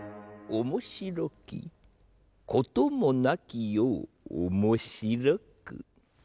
おもしろきこともなき世をおもしろく。